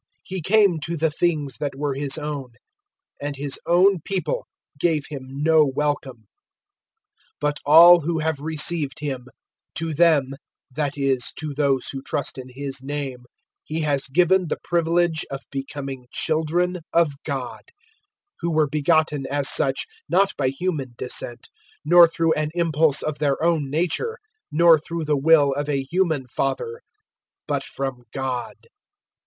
001:011 He came to the things that were His own, and His own people gave Him no welcome. 001:012 But all who have received Him, to them that is, to those who trust in His name He has given the privilege of becoming children of God; 001:013 who were begotten as such not by human descent, nor through an impulse of their own nature, nor through the will of a human father, but from God.